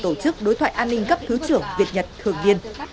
tổ chức đối thoại an ninh cấp thứ trưởng việt nhật thường viên